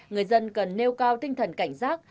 người dân cần nêu cao tinh thần cảnh giác